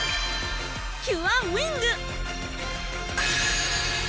キュアウィング！